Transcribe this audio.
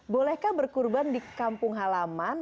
bolehkah berkurban di kampung halaman